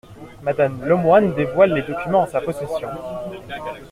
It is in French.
Madame Lemoine dévoile les documents en sa possession.